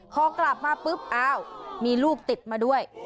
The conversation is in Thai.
พอกลับมาปุ๊บอ้าวมีลูกติดมาด้วย